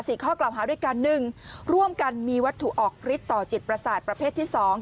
ข้อกล่าวหาด้วยการหนึ่งร่วมกันมีวัตถุออกฤทธิต่อจิตประสาทประเภทที่สอง